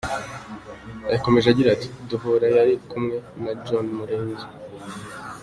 Yakomeje agira ati “Duhura yari kumwe na John Murinzi.